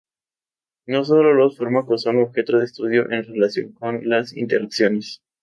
No sólo los fármacos son objeto de estudio en relación con las interacciones.